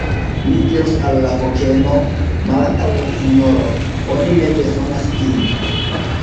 "Mi dirus al la fokeno: 'Malantaŭen Sinjoro! oni ne bezonas vin.'"